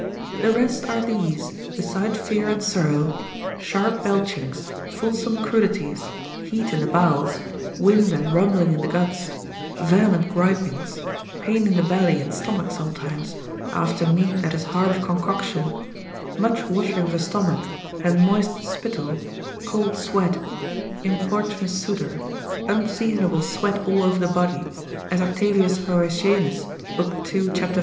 The rest are these, beside fear and sorrow, sharp belchings, fulsome crudities, heat in the bowels, wind and rumbling in the guts, vehement gripings, pain in the belly and stomach sometimes, after meat that is hard of concoction, much watering of the stomach, and moist spittle, cold sweat, importunus sudor, unseasonable sweat all over the body, as Octavius Horatianus lib. 2. cap. 5.